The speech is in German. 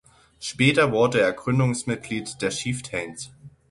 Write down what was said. Später wurde er Gründungsmitglied der Chieftains.